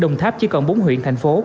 đồng tháp chỉ còn bốn huyện thành phố